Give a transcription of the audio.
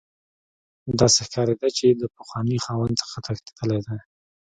داسې ښکاریده چې د پخواني خاوند څخه تښتیدلی دی